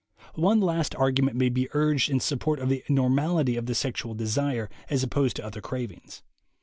One last argument may be urged in support of the "normality" of the sexual desire as opposed to other cravings.